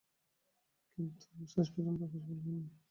কিন্তু তিনি শেষ পর্যন্ত সফল হননি।